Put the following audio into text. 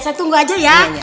saya tunggu aja ya